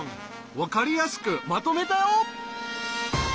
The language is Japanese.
分かりやすくまとめたよ。